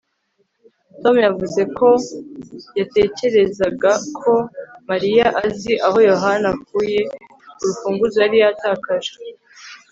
tom yavuze ko yatekerezaga ko mariya azi aho yohana yakuye urufunguzo yari yatakaje